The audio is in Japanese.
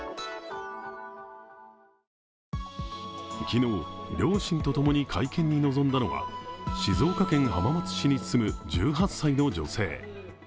昨日、両親とともに会見に臨んだのは静岡県浜松市に住む１８歳の女性。